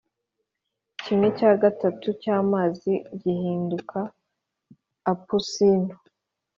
Kimwe cya gatatu cy’amazi gihinduka apusinto,